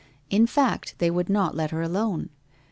In fact they would not let her alone.